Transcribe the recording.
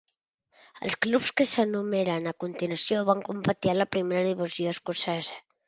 Els clubs que s'enumeren a continuació van competir a la primera divisió escocesa.